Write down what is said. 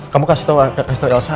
kamu kasih tau elsa